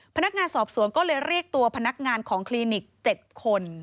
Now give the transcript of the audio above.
พนักงานสอบสวนก็เลยเรียกตัวพนักงานของคลินิก๗คน